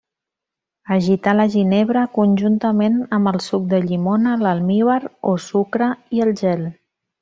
Agitar la ginebra conjuntament amb el suc de llimona, l'almívar o sucre i el gel.